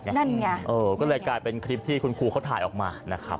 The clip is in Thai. นั่นไงเออก็เลยกลายเป็นคลิปที่คุณครูเขาถ่ายออกมานะครับ